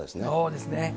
そうですね。